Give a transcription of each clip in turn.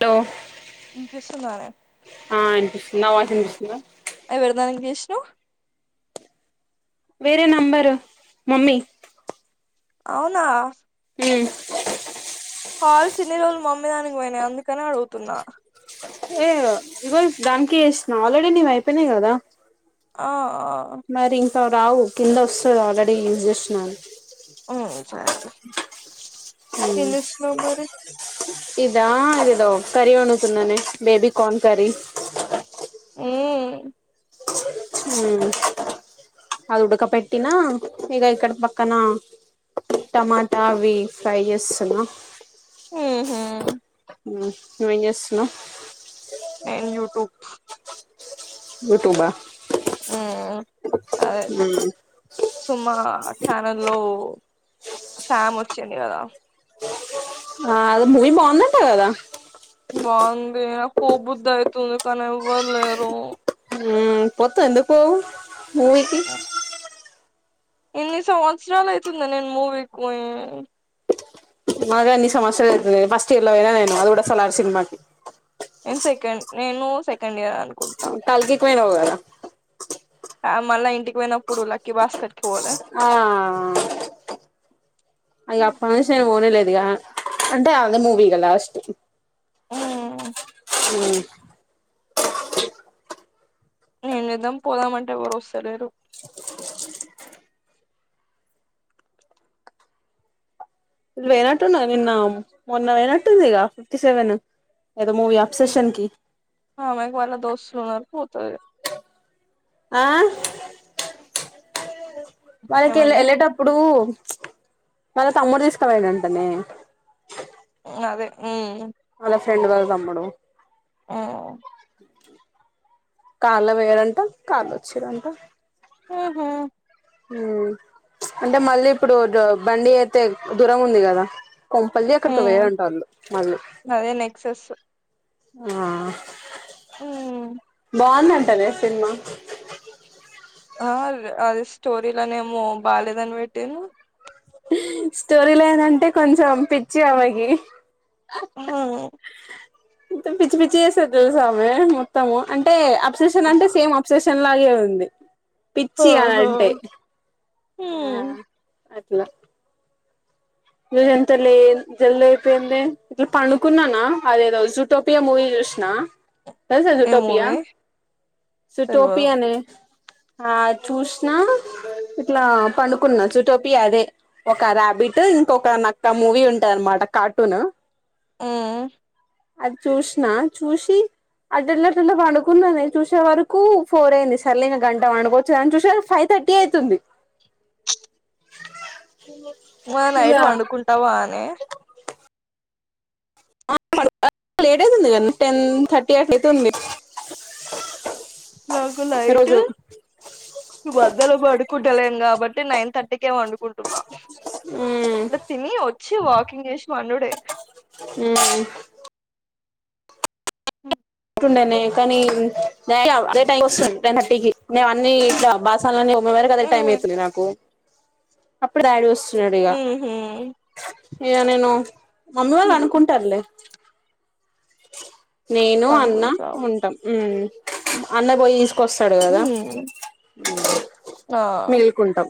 To Suryanarayan ఆ ఇనిపిస్తుంది నా వాయిస్ ఇనిపిస్తుందా ఎవరి దానికి చేశ్నవ్ వేరే నంబరు మమ్మీ అవునా ఊ కాల్స్ ఇన్ని రోజులు మమ్మిదానికి పోయినయి అందుకని అడుగుతున్నా. ఏయ ఇగో ఇప్ దానికే చేస్తున్నా ఆల్రెడీ నీవి అయిపోయినయ్ గదా. ఆ మరి ఇంకా రావు కింద వస్తది ఆల్రెడీ యూజ్ చేశిన వని ఊ సరేలే ఏం చేస్తున్నవ్ మరి ఇదా ఇదో కర్రీ వండుతున్ననే బేబీ కార్న్ కర్రీ. ఊ హ్ము అది ఉడక పెట్టినా ఇగ ఇక్కడ పక్కనా టమాటా అవ్వీ ఫ్రై చేస్తున్నా. ఊహూ ఊ నువ్ ఏం చేస్తున్నావ్ నేన్ యూట్యూబ్ యూట్యూబా ఊ అదే ఉమ్ సుమా ఛానెల్లో. సామ్ వచ్చింది గదా ఆ అది మూవీ బాగుందంట గదా పో బుద్ధి అయితుంది కానీ ఎవ్వరులేరు. ఉమ్మ్ పొత్తవ్ ఎందుకు పోవు మూవికి ఎన్ని సంవత్సరాలు అయితుంది నేను మూవీకి పోయీ మరీ అన్ని సమసయలు అయితది ఫస్ట్ ఎల్లెగా నేను అది కూడా సలార్ సినిమాకి నేను సెకండ్ నేను సెకండ్ ఇయర్ అను కుంటా కల్కికి పోయినావు కదా ఆ మళ్ళా ఇంటికి పోయినప్పుడు లక్కీ భాస్కర్ కి పోలే ఆ అదిగో అప్పటినుంచి నేను పోనే లేదు కొద్దిగా అంటే అదే మూవి ఇంక లాస్ట్ ఉమ్మ్ ఉం నేను నిదం పోదామంటే ఎవరు వస్తలేరు లేనట్టుఉన్నది నిన్న మొన్న పోయినట్టుందిగ ఫిఫ్టీ సెవెన్ ఏదో మూవీ అప్సెషన్ కి ఆ అమ్మాయికి వాళ్ళ దోస్తులున్నారు పోతది ఆ వాళ్ళకి ఎల్లే ఏమైంది వెల్లేటప్పుడు వాళ్ళ తమ్ముడు తీసుకపోయిండు అంటనే అదే ఉమ్మ్ వాళ్ళ ఫ్రెండువాళ తమ్ముడు ఉం కార్లో పోయరంట కార్లో వచ్చిరంట ఊహుం ఉం అంటే మళ్ళీ ఇప్పుడు బండి అయితే దూరం ఉంది కదా కొంపల్ది ఎక్కడికో మ్మ్ పోయారంట వాళ్ళు మళ్ళీ అదే నెక్సెస్ ఆ ఉమ్మ్ బాఉందంటనే సినిమా ఆ అది స్టోరీలనేమో బాలేదని పెట్టిను స్టోరీలో దంటే కొంచెం పిచ్చి అమెకి ఉ హుం మొత్తం పిచ్చి పిచ్చిగ చేస్తది తెలుసా ఆమె మొత్తము అంటే అప్సెషన్ అంటే సేమ్ అప్సెషన్ లా అలాగే ఉంది పిచ్చి అలా అంటే హుమ్ ఇలా ఈరోజు అంత లేదు జల్ది అయిపోయిందే ఇట్లా పడుకున్నానా అదేదో జూటోపియా మూవీ చూ సినా తెలుసా ఏ జుటోపియా మూవీ తెల్వదు సుటోపియానే ఆ చూసిన ఇట్లా పండుకున్నా చూటోపియా అదే ఒక ర్యాబిట్టు ఇంకొక నక్క మూవీ ఉంటాయి అనమాట కార్టూను ఉమ్మ్ అది చూసిన చూసి అటుదొల్లి అటుదొల్లి పడుకుందమని చూసే వరకు ఫోర్ అయింది సర్లే ఇక గంట వండుకోవచ్చుగా అని చూసేసరికి ఫైవ్ థర్ట్ థర్టీ అవుతుంది మ నైటు పండుకుంటావా అని ఆ మనకి లేట్ అయితుంది క టెన్ థర్టీ అట్ అయితుంది నాకు నైట్ రోజు మధ్యల పడుకుంటలేం కాబట్టి నైన్ థర్టీ కుంటన్నా మ్ ఇట్లా తిని వచ్చి వాకింగ్ చేసి పండుడే హ్మ్ హ కానీ అదే టైం వ నైన్ థర్టీ నే అన్ని ఇలా బాసాలనే వరకు అదే టైమ్ హ్మ్ అవుతుంది నాకు వస్తున్నాడు ఇగ ఊహూ ఇగ నేను మమ్మీ వాళ్ళు అనుకుంటారులే నేను అన్న పనుకుంటావ్ ఉంటాం హ్మ్ అన్న పోయిసు కొస్తాడు కదా హ్మ్ ఆ మేల్కుంటాం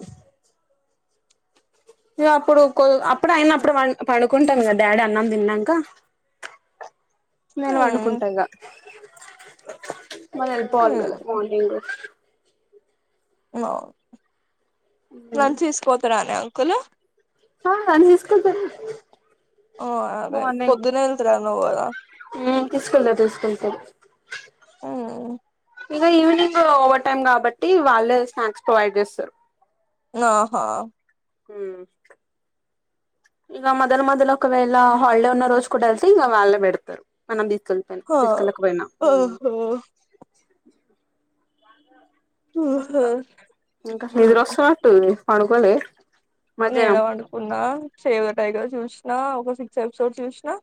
ను అప్పుడు కు అప్పుడు అయిన అప్పుడు పడు పనుకుంటాను కద డాడీ అన్నం తిన్నాక నేను హ్మ్ పండుకుంటాగా మరి వెళ్ళిపోవాలి కదా హ్మ్ మార్నింగు లంచ్ తీసుకపోతారనే అంకుల్ ఆ అన్ని తీసుకెళ్తార ఓ అదే పొద్దునే వెళతారన్నావు గదా తీసుకెళ్తా తీసుకెళ్తారు హ్మ్ ఇక ఈవినింగ్ ఓవర్ టైమ్ కాబట్టి వాళ్ళే స్నాక్స్ ప్రొవైడ్ చేస్తారు ఆహా హ్మ్ ఇక మొదలు మొదలు ఒకవేళ హాలిడే ఉన్న రోజు కూడా వెళ్తే ఇక వాళ్ళ పెడతారు మనం అసలు పని హా తీసుకెళ్ళకపోయినా ఓహో ఊహూ నిద్ర వస్తున్నట్టు ఉంది పనుకోలే ఏడ వడుకున్నా సేవ్ ఎ టైగర్ చూసినా ఒక సిక్స్ ఎపిసోడ్ చూసినా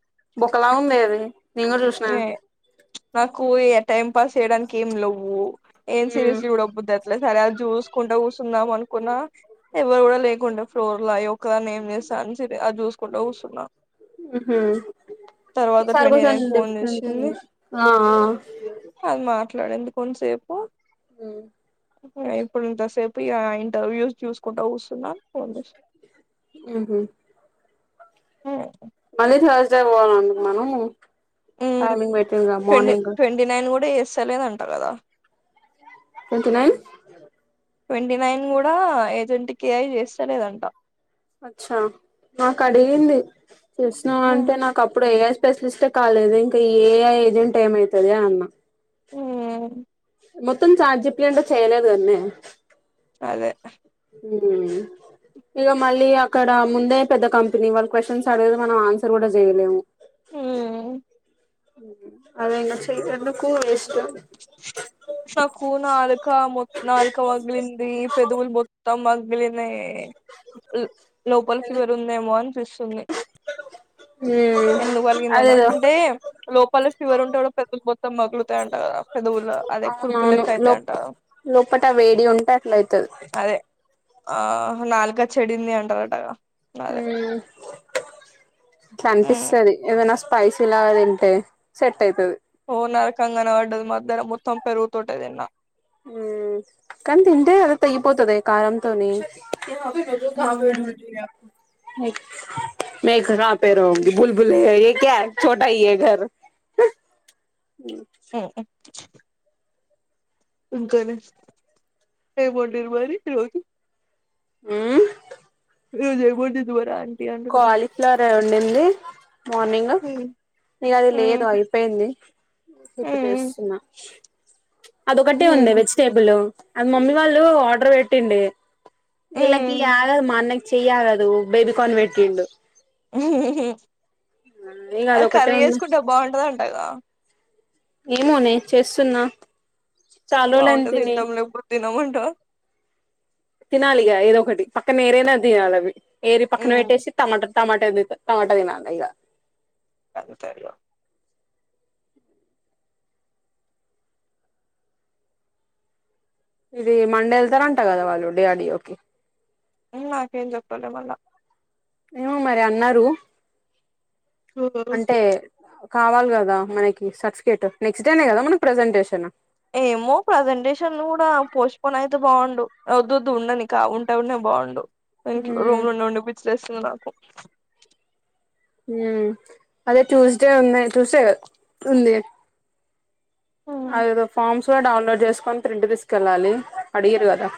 బుక్కలా ఉందే అది నేను కూడా చూసిన నే నాకు టైం పాస్ చేయడానికి ఏం లెవ్వు ఏం సీరీస్ చూడబుద్ అయితలే సరే జూసుకుంటా కూర్చుందాం అనుకున్నా ఎవ్వరు కూడా లేకుండే ఫ్లోర్ లో ఒకదాని ఏం చేస్తా అని జూ కూసున్న తర్వాత ఈసారి ట్వంటీ కొంచెం నైన్ ఫోన్ డిఫరెంట్ చేసింది ఉంది ఆ ఆ అది మాట్లాడింది కొంతసేపు హ్మ్ ఇప్పుడు ఇంతసేపు ఇంటర్వ్యూస్ చూసుకుంటూ కూసున్నాను ఫోన్ చేసావ్ ఊహూ ఆ మళ్ళీ థర్స్ డే పోవాలంట మనం హ్మ్ టైమింగ్ పెట్టిందిగా ట్వంటీ మార్నింగ్ ట్వంటీ నైన్ కూడా ఎస్తలేదంట కదా ట్వంటీ నైన్ ట్వంటీ నైన్ కూడా ఏజెంట్ కి ఏఐ చేస్తలేదంట అచ్చా నాకు అడిగింది చేసినవ ఉమ్, అంటే నాకు అప్పుడు వే స్పెషలిస్ట్ కాలేదు ఇంకా ఏఐ ఏజెంట్ ఏమైతుది అన్న హ్మ్ మొత్తం చాట్ జిపిటి అంటే చేయలేది అన్నీ అదే ఇదీ ఇక మళ్ళీ అక్కడ ముందే పెద్ద కంపెనీ వాళ్ళు క్వశ్చన్స్ అడిగితే మనం ఆన్సర్ కూడా చేయలేము హమ్ అదేనా చేతంట కూడ ఇష్టం [unintelligible] నాకు నాలుక మో నాలుక పగీలింది పెదవులు మొత్తం పగిలినయి లోపల్ ఫీవర్ ఉందేమో అని పిస్తుంది ఉం [unintelligible] ఎందుకు కలిగిందన అంటే లోపాలకి ఫీవర్ ఉంటే కూడా పెదవులు మొత్తం మగులుతాయంటా పెదవులు అద అవును లో లోపట వేడి ఉంటే అట్ల అయితది అదే ఆ నాలుక చెడింది అంటరటగా ఉం ఇట్లా ఉమ్ అనిపిస్తుది ఏదైనా స్పైసీ లాగా తింటే సెట్ అయితది ఓ నరకం కనపడ్డది మధ్యన మొత్తం పెరుగు తోటేదిన్నా ఉం కానీ తింటే అది తగిపోతది కారంతోనే ో పేడ ఉమ్ మంచింది [unintelligible] మ పే రూీ బల్బలే ఏ క్యా ోటా హఘర [unintelligible] ఆ ఆ ఇంకానే అయిపంర్ మరి రగి [unintelligible] ఉం వజయిదిదు్వరా [unintelligible] కాలీఫ్లవర్ వండింది మార్నింగ్ ఉమ్ ఇగ అది లేదు ఉమ్ అయిపోయింది ఇప్పుడు ఉమ్ చేస్తున్నా అదొకటే ఉంది ఉమ్ వెజిటేబుల్ అది మమ్మీ వాళ్ళు ఆర్డర్ పెట్టిండి ఇలకి హ్మ్ ఆగదు మా అన్నకి చెయి ఆగదు బేబికార్న్ పెట్టిండు ఇక అది అదొకటే కర్రీ ఉంది చేసుకుంటే బాగుంటదింటగా ఏమోనే చేస్తున్నా చాల రోజులు అయింది తిని తినమంటవ తినాలిగా ఏదో ఒకటి పక్కన ఏరేనా తినాలి అవి ఏరి పక్కన హ్మ్ పెట్టేసి టమాట టమమాటా ద టమమాటా దిననా ఇగ [unintelligible] అంత [inaudible] ఇది మండే వెళ్తార అంటా కదా వాళ్ళు డి అర్ డి ఒ కి ఉం నాకేం చెప్పలే మళ్ళ ఏమో మరి అన్నారు హ అంటే కావాలి కదా మనకి సర్టిఫికేట్ నెక్స్ట్ డేనే కదా మనకి ప్రజెంటేషన్ ఏమో ప్రజెంటేషన్లు కూడా పోస్ట్ పోను అయితే బాగుండు వద్దోద్దు ఉండని కా వుంటే ఉండే బాగుండు ఇంట్లో మ్మ్ రూమ్లో ఉండి ఉండి పిచ్చేలేస్తుంది నాకు ఉం అదే ట్యూస్డే ఉన్నాయి ట్యూస్డే ఉంది హ్మ్ అదేదో ఫామ్స్ కూడా డౌన్లోడ్ చేసుకొని ప్రింట్ తీసుకెళ్ళాలి అడిగరు కదా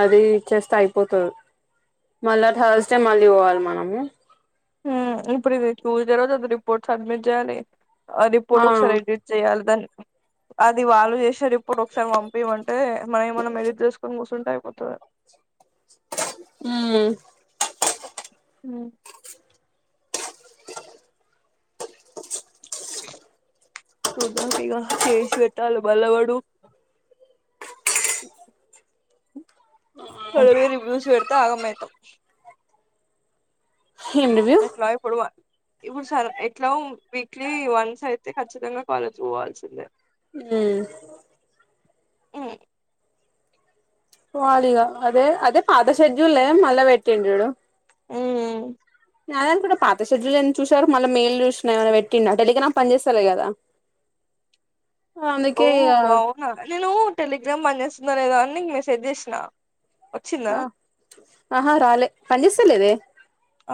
అది ఇచ్చేస్తే అయిపోతది మళ్ళా థర్స్డే మళ్ళీ పోవాలి మనము ఉం ఇప్పుడు ఇది ట్యూస్డే రోజు అది రిపోర్ట్ సబ్మిట్ చేయాలి ఆ రిపోర్ట్ ఒకసారి ఎడిట్ చేయాలి దాన్ని అది వాళ్ళు చేసే రిపోర్ట్ ఒకసారి పంపియ మంటే మనం ఏమైనా ఎడిట్ చేసుకొని కూర్సుుంటే అయిపోతది ఉం హుమ్ హుదా దిగా చేసి పెట్టాలి మళ్ళ వాడు సరే రివ్యూస్ పెడితే ఆగమయితం ఏం రివ్యూ ఎట్లాయి పుడవా ఇప్పుడు సర ఎట్లా వీక్లీ వన్స్ అయితే ఖచ్చితంగా కాలేజ్ పోవాల్సిందే హుమ్ హ్మ్ వాడుగా అదే అదే పాత షెడ్యూలే మల్ల వెట్టిండు యుడు ఉమ్ జనాని కూడా పాత షెడ్యూల్నే చూసారు మళ్ళ మేలు చూసినా ఏమైనా పెట్టిండా టెలిగ్రామ్ పని చేస్తాలే కదా ఓ అందుకే ఇగ అవునా నేను టెలిగ్రామ్ పనిచేస్తుందా లేదో అని నీకు మెసేజ్ చేసినా ఆ ఆహా రాలే పనిజేస్తలేదే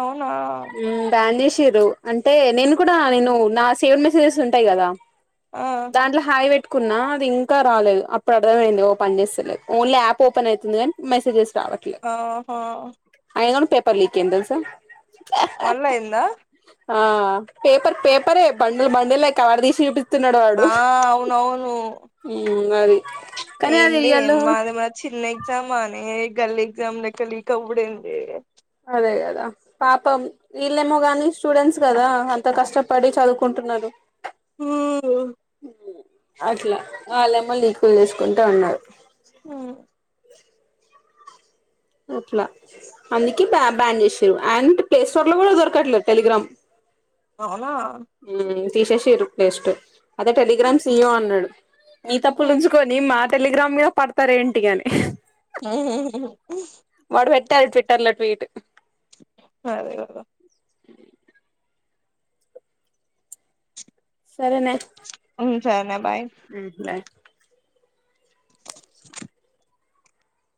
అవునా ఉమ్ బ్యాన్ చేసారు అంటే నేను కూడా నేను నా సేవెడ్ మెసేజెస్ ఉంటాయి కదా ఆ దాంట్లో హాయి వెట్ కున్నా అది ఇంకా రాలేదు అప్పుడు అర్థమైంది ఓ పని చేస్తలేదు ఓన్లీయాప్ ఓపెన్ అయితుంది కాని మెసేజెస్ రావట్లేదు ఆహో పల్లికేందల్ సా వన్ అయ్యిందా ఆ పేపర్ పేపరె బండిల్ బండిల్ కవర్ తీసి చుపి ఆ అవును అవును ఉమ్ అది కానీ అది ఏంది రియల్లో మాది ఏమన్నా చిన్న ఎగ్జామా ఏ గల్లి ఎగ్జామ్లెక్క లీక్ అవుడెంది అదే కదా పాపం ఈళ్ళేమో గాని స్టూడెంట్స్ కదా అంత కష్టపడి చదువుకుంటు టున్నారు ఉహ అట్లా వాళ్లేమో లీకుల్ చేసుకుంట ఉన్నారు ఉమ్ అట్లా అందుకే బ బ్యాన్ చేషిరు అండ్ ప్లే స్టోర్ లో కూడా దొరకట్లేదు టెలిగ్రామ్ అవునా తీసేసిర్రు ప్లేస్టోర్ అదే టెలిగ్రామ్ సి ఈ ఓ అన్నాడు మీ తప్పులుంచుకొని మాట టెలిగ్రామ్ మీద పడతారు ఇంటి అని ఆ వాడు పెట్టేది ట్విట్టర్ లో ట్వీట్ అదే గద సరేనే ఉమ్ సరేనే బాయ్ బాయ్